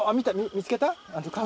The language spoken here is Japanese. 見つけた？